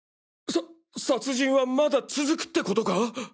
さ殺人はまだ続くってことか！？